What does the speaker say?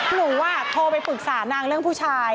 หนูโทรไปปรึกษานางเรื่องผู้ชาย